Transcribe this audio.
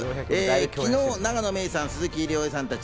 昨日、永野芽郁さん、鈴木亮平さんたち